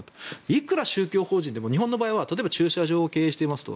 いくら宗教法人でも日本の場合は例えば駐車場を経営していますと。